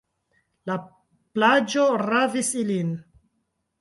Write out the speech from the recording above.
La plaĝo ravis ilin.